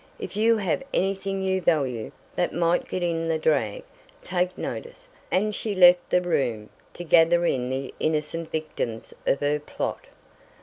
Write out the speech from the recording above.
If you have anything you value, that might get in the drag, take notice," and she left the room, to gather in the innocent victims of her plot.